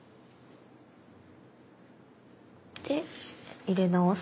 で入れ直す。